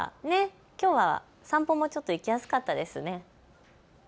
きょうはお散歩もちょっと行きやすかったですね。